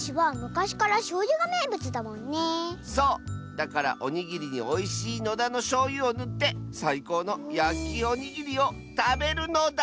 だからおにぎりにおいしい野田のしょうゆをぬってさいこうのやきおにぎりをたべるのだ！